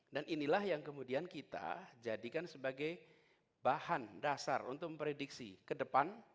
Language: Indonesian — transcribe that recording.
dan inilah yang kemudian kita jadikan sebagai bahan dasar untuk memprediksi ke depan